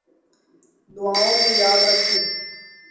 دعاؤں میں یاد رکھیں